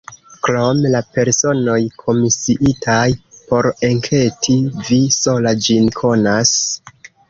Krom la personoj, komisiitaj por enketi, vi sola ĝin konas.